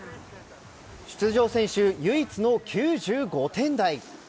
出場選手、唯一の９５点台。